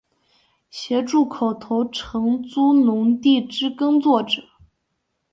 协助口头承租农地之耕作者